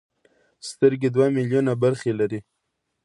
سترګې دوه ملیونه برخې لري.